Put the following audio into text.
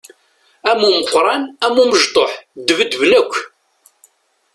Am umeqqran am umecṭuḥ, ddbedben akk!